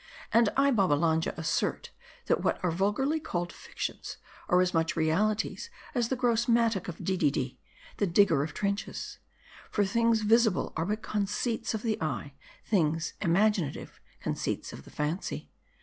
And I, Babbalanja, assert, that what are vulgarly called fictions are as much realities as the gross mattock of Dididi.. the digger of trenches ; for things visible are but conceits of the eye : things imaginative, conceits of the fancy.